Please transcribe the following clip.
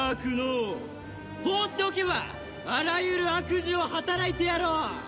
放っておけばあらゆる悪事を働いてやろう！